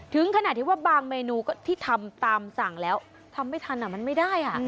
ถึงขนาดที่ว่าบางเมนูก็ที่ทำตามสั่งแล้วทำไม่ทันมันไม่ได้